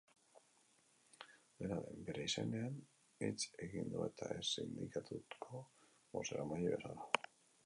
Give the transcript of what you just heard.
Dena den, bere izenean hitz egin du eta ez sindikatuko bozeramaile bezala.